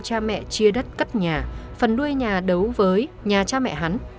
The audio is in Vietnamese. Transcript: cha mẹ chia đất cất nhà phần nuôi nhà đấu với nhà cha mẹ hắn